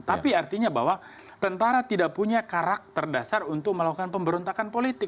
tapi artinya bahwa tentara tidak punya karakter dasar untuk melakukan pemberontakan politik